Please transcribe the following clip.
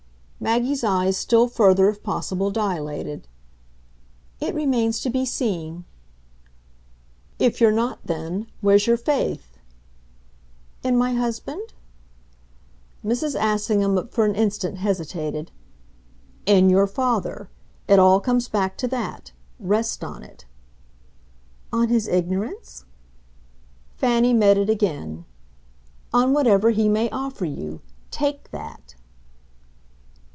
Maggie's eyes still further, if possible, dilated. "It remains to be seen!" "If you're not then, where's your faith?" "In my husband ?" Mrs. Assingham but for an instant hesitated. "In your father. It all comes back to that. Rest on it." "On his ignorance?" Fanny met it again. "On whatever he may offer you. TAKE that."